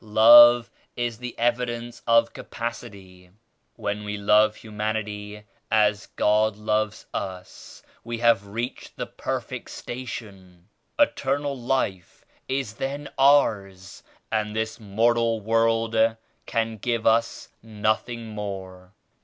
Love is the evidence of capacity. When we love hu manity as God loves us, we have reached the perfect station. Eternal Life is then ours and this mortal world can give us nothing more.